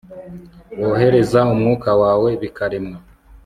wohereza umwuka wawe, bikaremwa